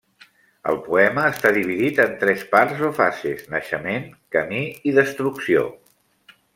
El poema està dividit en tres parts o fases: naixement, camí i destrucció.